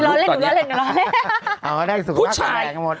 ห้อแต่ได้สูงค่าถ่ายกันหมด